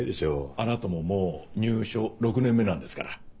あなたももう入所６年目なんですから。